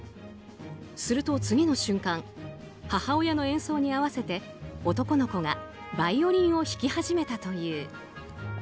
すると次の瞬間母親の演奏に合わせて男の子がバイオリンを弾き始めたという。